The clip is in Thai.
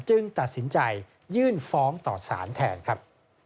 ตัดสินใจยื่นฟ้องต่อสารแทนครับ